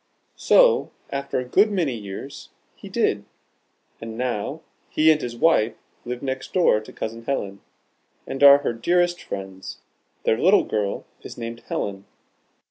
So after a good many years, he did, and now he and his wife live next door to Cousin Helen, and are her dearest friends. Their little girl is named 'Helen.'